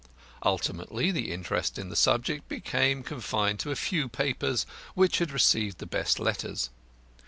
Ultimately the interest on the subject became confined to a few papers which had received the best letters.